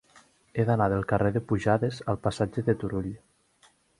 He d'anar del carrer de Pujades al passatge de Turull.